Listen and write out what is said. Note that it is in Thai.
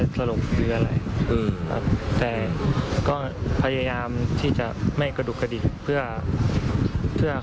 จะตีแต่หัวอย่างเดียวเลยหรอ